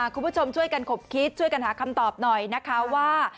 คุณผู้ชมช่วยกันขบคิดช่วยกันหาคำตอบหน่อยนะคะว่า